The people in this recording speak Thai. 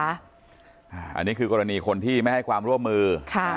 อันนี้คือกรณีคนที่ไม่ให้ความร่วมมือ